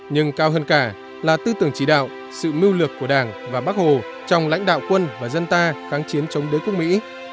nhưng cao hơn cả là tư tưởng chỉ đạo sự mưu lược của đảng và bắc hồ trong lãnh đạo quân và dân ta kháng chiến chống đối quốc mỹ